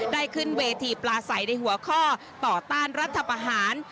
ขึ้นเวทีปลาใสในหัวข้อต่อต้านรัฐประหาร